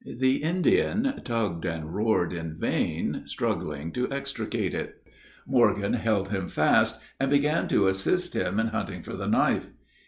The Indian tugged and roared in vain, struggling to extricate it. Morgan held him fast, and began to assist him in hunting for the knife.